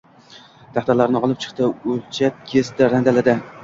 Taxtalarni olib chiqdi, o`lchab kesdi, randaladi